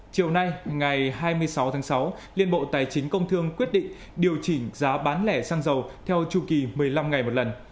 chiều nay ngày hai mươi sáu tháng sáu liên bộ tài chính công thương quyết định điều chỉnh giá bán lẻ xăng dầu theo chu kỳ một mươi năm ngày một lần